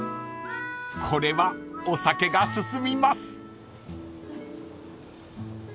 ［これはお酒が進みます］